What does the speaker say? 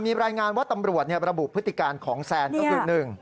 มีรายงานว่าตำรวจระบุพฤติการของแซนก็คือ๑